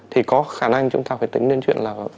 thì có khả năng chúng ta phải tính đến chuyện là